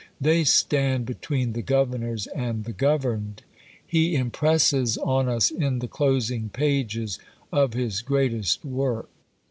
They stand between the governors and the governed, he impresses on us in the closing pages of his greatest work.